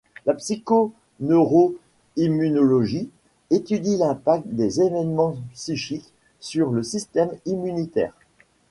La psycho-neuro-immunologie étudie l'impact des événements psychiques sur le système immunitaire.